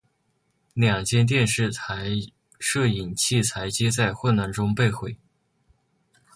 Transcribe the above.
两间电视台摄影器材皆在混乱中被毁。